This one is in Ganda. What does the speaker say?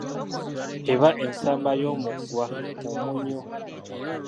Eba ensamba y'omugwa omunnyu.